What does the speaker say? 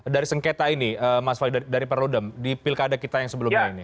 dari sengketa ini mas wali dari perludem di pilkada kita yang sebelumnya ini